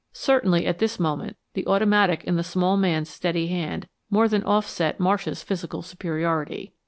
Certainly at this moment the automatic in the small man's steady hand more than offset Marsh's physical superiority.